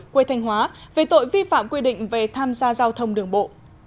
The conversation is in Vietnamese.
quê thanh hóa về tội vi phạm quy định về tham gia giao thông đường bộ